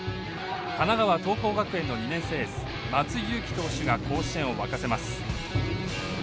神奈川桐光学園の２年生エース松井裕樹投手が甲子園を沸かせます。